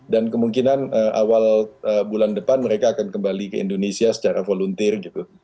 dan kemungkinan awal bulan depan mereka akan kembali ke indonesia secara volunteer gitu